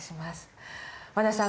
和田さん